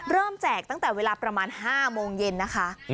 แจกตั้งแต่เวลาประมาณ๕โมงเย็นนะคะ